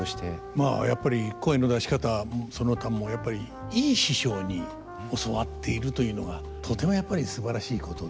まあやっぱり声の出し方その他もやっぱりいい師匠に教わっているというのがとてもやっぱりすばらしいことで。